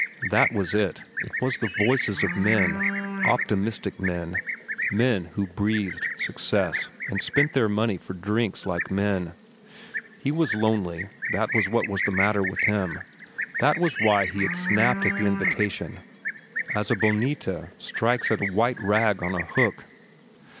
That was it, it was the voices of men, optimistic men, men who breathed success and spent their money for drinks like men. He was lonely, that was what was the matter with him; that was why he had snapped at the invitation as a bonita strikes at a white rag on a hook.